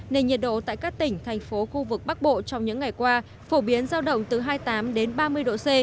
nên nhiệt độ tại các tỉnh thành phố khu vực bắc bộ trong những ngày qua phổ biến giao động từ hai mươi tám đến ba mươi độ c